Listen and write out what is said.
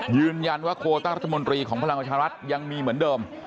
ยืนยันว่าโคต้ารัฐมนตรีของพลังประชารัฐยังมีเหมือนเดิม